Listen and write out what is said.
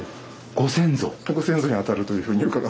ご先祖にあたるというふうに伺ってます。